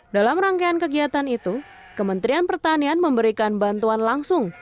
dalam rangkaian kegiatan itu kementerian pertanian memberikan bantuan langsung